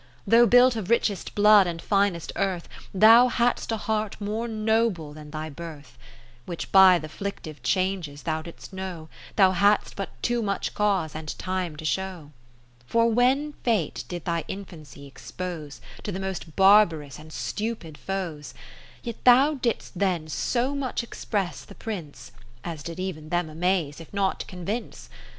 20 Though built of richest blood and finest earth, Thou hadst a heart more noble than thy birth ; Which by th' afflictive Changes thou didst know, Thou hadst but too much cause and time to show. P^or when Fate did thy infancy expose To the most barbarous and stupid Foes ; 0;/ the Death of the Duke of Gloucester Yet thou didst then so much express the Prince, As did even them amaze, if not con vince.